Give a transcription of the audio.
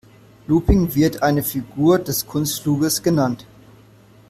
Looping wird eine Figur des Kunstfluges genannt.